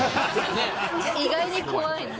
意外に怖い。